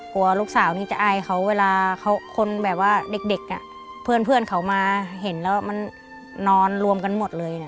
กลัวลูกสาวนี่จะอายเขาเวลาเขาคนแบบว่าเด็กเพื่อนเขามาเห็นแล้วมันนอนรวมกันหมดเลยนะ